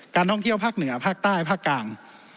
การท่องเที่ยวภาคเหนือภาคใต้ภาวศาสตร์ภาคกลาง